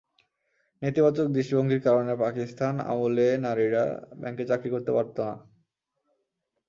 নেতিবাচক দৃষ্টিভঙ্গির কারণে পাকিস্তান আমলে নারীরা ব্যাংকে চাকরি করতে পারত না।